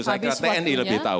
saya kira tni lebih tahu